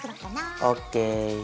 ＯＫ。